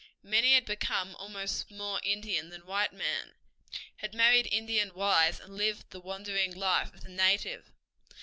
Many had become almost more Indian than white man, had married Indian wives and lived the wandering life of the native.